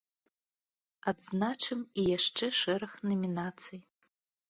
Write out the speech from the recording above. Адзначым і яшчэ шэраг намінацый.